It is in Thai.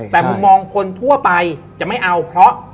แต่มุมมองคนทั่วไปจะไม่เอาเพราะ